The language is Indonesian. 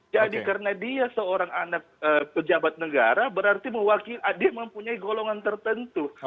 jadi karena dia seorang anak pejabat negara berarti dia mempunyai golongan tertentu